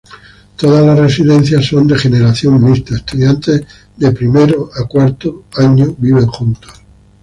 Todas residencias son de generación mixta; estudiantes de primer a cuarto año viven juntos.